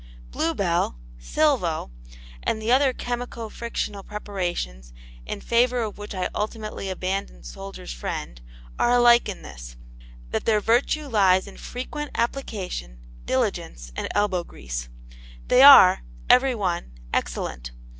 "Bluebell," "Silvo," and the other chemico frictional preparations in favour of which I ultimately abandoned Soldier's Friend, are alike in this that their virtue lies in frequent application, diligence and elbow grease. They are, every one, excellent.